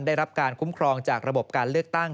ได้รับการคุ้มครองจากระบบการเลือกตั้ง